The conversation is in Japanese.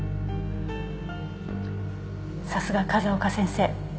さすが風丘先生。